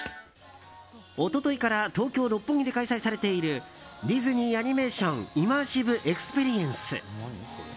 一昨日から東京・六本木で開催されているディズニー・アニメーション・イマーシブ・エクスペリエンス。